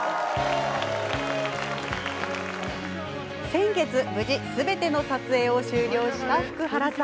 先月、無事すべての撮影を終了した福原さん。